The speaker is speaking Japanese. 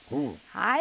はい。